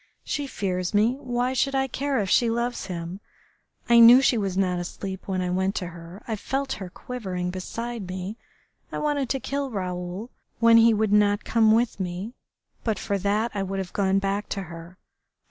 She fears me. Why should I care if she loves him.... I knew she was not asleep when I went to her. I felt her quivering beside me.... I wanted to kill Raoul when he would not come with me, but for that I would have gone back to her....